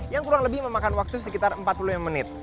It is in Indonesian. yang kurang lebih memakan waktu sekitar empat puluh lima menit